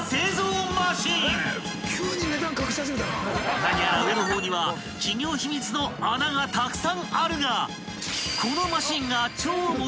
［何やら上の方には企業秘密の穴がたくさんあるが］